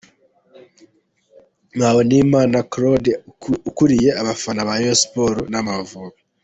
Muhawenimana Claude ukuriye abafana ba Rayon Sports n'Amavubi.